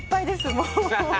もう。